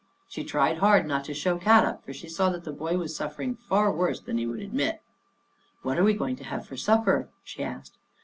She tried hard not to show Kadok for she saw that the boy was suffering far worse than he would admit. "What are we going to have for supper?" she asked.